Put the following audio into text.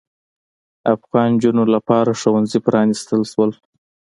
افغان نجونو لپاره ښوونځي پرانیستل شول.